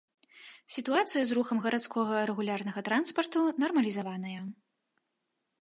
Сітуацыя з рухам гарадскога рэгулярнага транспарту нармалізаваная.